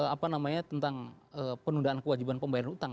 apa namanya tentang penundaan kewajiban pembayaran utang